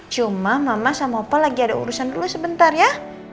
cuma mama sama opa lagi ada urusan dulu sebentar ya